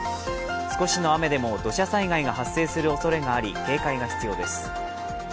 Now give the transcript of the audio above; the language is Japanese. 少しの雨でも土砂災害が発生するおそれがあり、警戒が必要です。